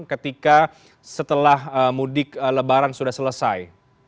ketika setelah mudik lebaran sudah selesai